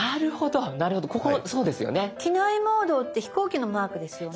「機内モード」って飛行機のマークですよね？